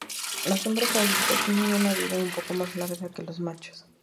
Las hembras adultas tienen una vida un poco más larga que los machos.